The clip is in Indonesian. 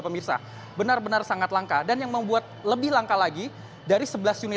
pemirsa benar benar sangat langka dan yang membuat lebih langka lagi dari sebelas unit